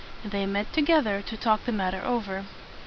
They met together to talk the matter over.